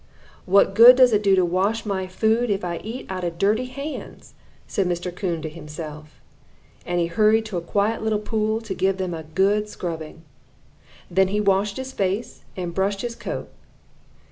"'What good does it do to wash my food, if I eat it out of dirty hands?' said Mr. Coon to himself, and he hurried to a quiet little pool to give them a good scrubbing. Then he washed his face and brushed his coat.